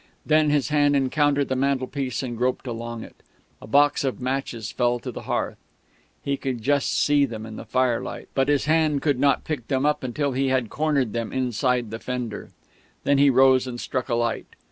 Then his hand encountered the mantelpiece, and groped along it. A box of matches fell to the hearth. He could just see them in the firelight, but his hand could not pick them up until he had cornered them inside the fender. Then he rose and struck a light.